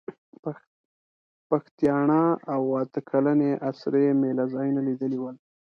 پښتیاڼا او اته کلنې اسرې مېله ځایونه لیدلي ول.